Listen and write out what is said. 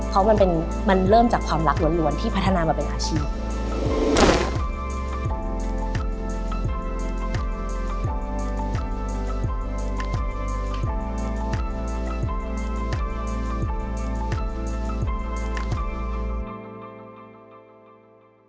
เพราะมันเริ่มจากความรักล้วนที่พัฒนามาเป็นอาชีพ